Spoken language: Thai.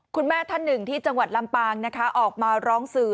คุณแม่ท่านหนึ่งที่จังหวัดลำปางนะคะออกมาร้องสื่อ